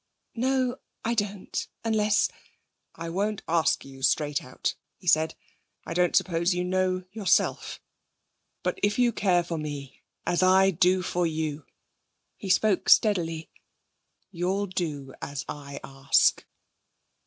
'No, I don't, unless ' 'I won't ask you straight out,' he said. 'I don't suppose you know yourself. But, if you care for me, as I do for you' he spoke steadily 'you'll do as I ask.'